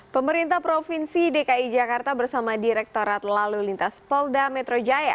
pemerintah provinsi dki jakarta bersama direktorat lalu lintas polda metro jaya